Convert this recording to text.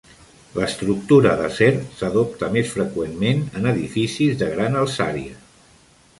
L'estructura d'acer s'adopta més freqüentment en edificis de gran alçària.